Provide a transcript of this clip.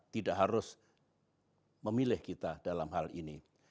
tidak harus memilih kita dalam hal ini